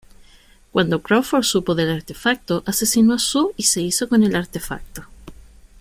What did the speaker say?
Cuando Crawford supo del artefacto, asesinó a Sue y se hizo con el artefacto.